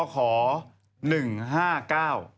๕กขอ๑๕๙